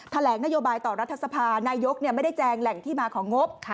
แถลงนโยบายต่อรัฐสภานายกไม่ได้แจงแหล่งที่มาของงบ